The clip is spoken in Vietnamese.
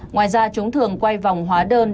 ngoài ra chúng thường quay vòng hóa đơn